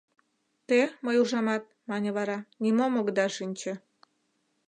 — Те, мый ужамат, — мане вара, — нимом огыда шинче.